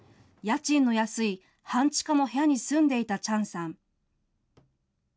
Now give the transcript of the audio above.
家賃の安い半地下の部屋に住んでいたチャンさん。